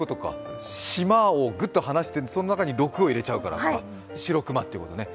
島をグッと離してその中にロクを入れちゃうからシロクマっていうことね。